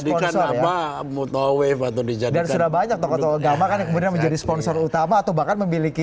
dan sudah banyak tokoh tokoh agama kan yang menjadi sponsor utama atau bahkan memiliki